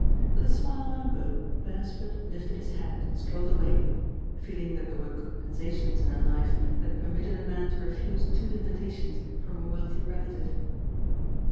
With a smile and a bow Beresford lifted his hat and strolled away, feeling that there were com pensations in a life that permitted a man to refuse two invitations from a wealthy relative.